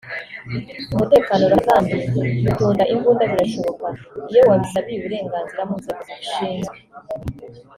”Umutekano urahari kandi gutunda imbunda birashoboka iyo wabisabiye uburenganzira mu nzego zibishinzwe”